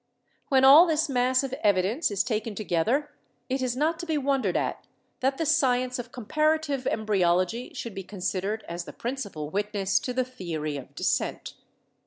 When all this mass of evidence is taken to gether, it is not to be wondered at that the science of comparative embryology should be considered as the prin cipal witness to the theory of descent.